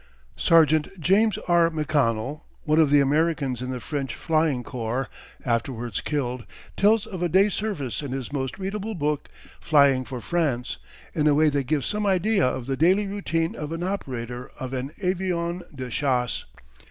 Sergeant James R. McConnell, one of the Americans in the French flying corps, afterwards killed, tells of a day's service in his most readable book, Flying for France, in a way that gives some idea of the daily routine of an operator of an avion de chasse.